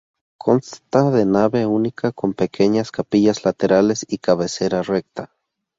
Consta de nave única con pequeñas capillas laterales y cabecera recta.